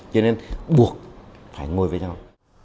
cho nên buộc phải ngồi với nhau